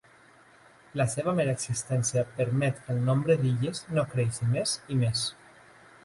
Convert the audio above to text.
La seva mera existència permet que el nombre d'illes no creixi més i més.